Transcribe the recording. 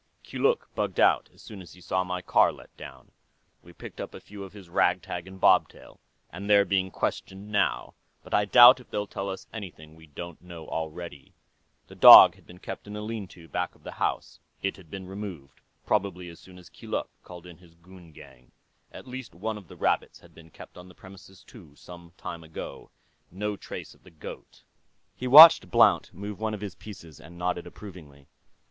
"Keeluk bugged out as soon as he saw my car let down. We picked up a few of his ragtag and bobtail, and they're being questioned now, but I doubt if they'll tell us anything we don't know already. The dog had been kept in a lean to back of the house; it had been removed, probably as soon as Keeluk called in his goon gang. At least one of the rabbits had been kept on the premises, too, some time ago. No trace of the goat." He watched Blount move one of his pieces and nodded approvingly.